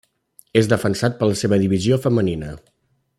És defensat per la seva divisió femenina.